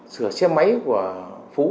sửa xe máy của phú